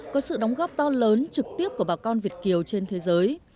có sự đóng góp to lớn trực tiếp của bà con việt kiều trên thế giới